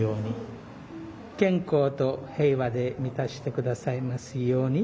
健康と平和で満たして下さいますように。